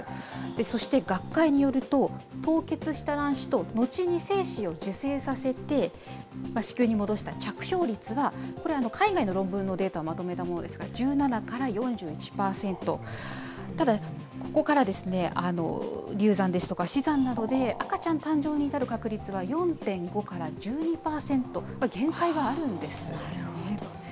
そして、学会によると、凍結した卵子と後に精子を受精させて子宮に戻した着床率は、これ、海外の論文のデータをまとめたものですが、１７から４１％、ただ、ここからですね、流産ですとか死産などで赤ちゃん誕生に至る確率は、４．５から１２％、限界があるんなるほどね。